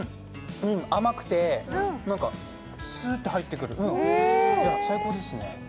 甘くて、なんかスーッと入ってくる最高ですね。